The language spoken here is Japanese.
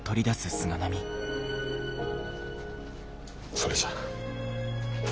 それじゃ。